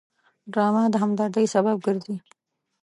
ډرامه د همدردۍ سبب ګرځي